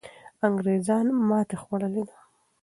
انګریزان ماتې خوړلې ده.